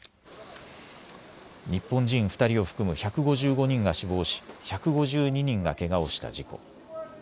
日本人２人を含む１５５人が死亡し１５２人がけがをした事故。